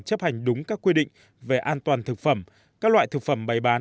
chấp hành đúng các quy định về an toàn thực phẩm các loại thực phẩm bày bán